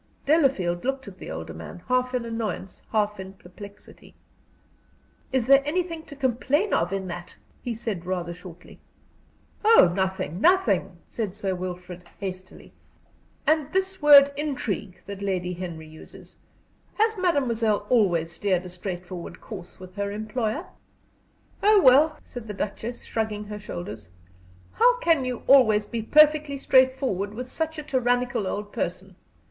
Delafield looked at the older man, half in annoyance, half in perplexity. "Is there anything to complain of in that?" he said, rather shortly. "Oh, nothing, nothing!" said Sir Wilfrid, hastily. "And this word intrigue that Lady Henry uses? Has mademoiselle always steered a straightforward course with her employer?" "Oh, well," said the Duchess, shrugging her shoulders, "how can you always be perfectly straightforward with such a tyrannical old person!